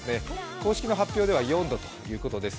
公式の発表では４度ということです